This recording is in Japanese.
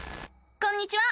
こんにちは！